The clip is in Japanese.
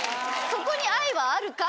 そこに愛はあるんか？